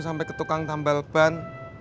sampai ketukang tambal ban